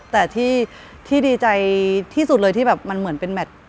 แต่ที่ดีใจที่สุดเลยที่แบบมันเหมือนเป็นแมท